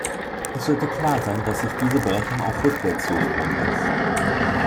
Es sollte klar sein, dass sich diese Berechnung auch rückwärts durchführen lässt.